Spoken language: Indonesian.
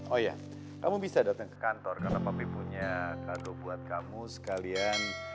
oh ya kamu bisa datang ke kantor karena papi punya kaldu buat kamu sekalian